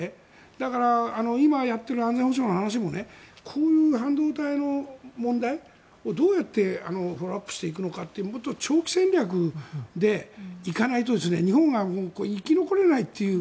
だから、今やっている安全保障の話もこういう半導体の問題をどうやってフォローアップしていくかって長期戦略で行かないと日本が生き残れないという。